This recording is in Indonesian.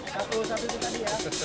satu satu satu tadi ya